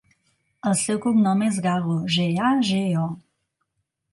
El seu cognom és Gago: ge, a, ge, o.